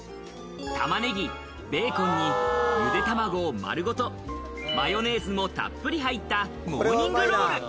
玉ねぎ、ベーコンに、ゆで卵を丸ごと、マヨネーズもたっぷり入ったモーニングロール。